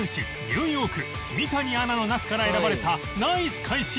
ニューヨーク三谷アナの中から選ばれたナイス返し